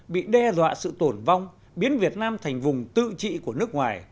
bị đe dọa sự tồn vong biến việt nam thành vùng tự trị của nước ngoài